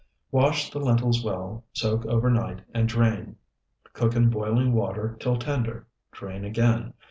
Wash the lentils well, soak overnight, and drain. Cook in boiling water till tender; drain again.